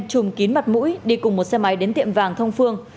chùm kín mặt mũi đi cùng một xe máy đến tiệm vàng thông phương